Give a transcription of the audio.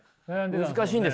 難しいんですけど。